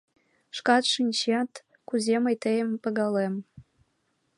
Шкат шинчет, кузе мый тыйым пагалем.